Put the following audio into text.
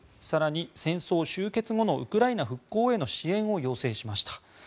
更に、戦争終結後のウクライナ復興への支援を要請しました。